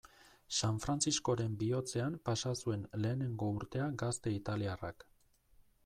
San Frantziskoren bihotzean pasa zuen lehengo urtea gazte italiarrak.